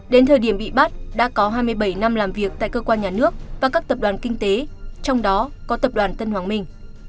đến thời điểm bị bắt đã có hai mươi bảy năm làm việc tại cơ quan nhà nước và các tập đoàn kinh tế trong đó có tập đoàn tân hoàng minh